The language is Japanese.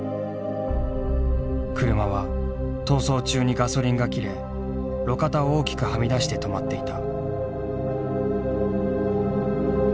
車は逃走中にガソリンが切れ路肩を大きくはみ出して止まっていた。